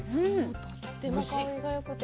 とっても香りがよくて。